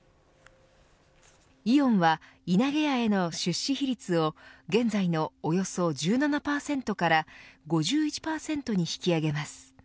イオンはいなげやへの出資比率を現在のおよそ１７％から５１％に引き上げます。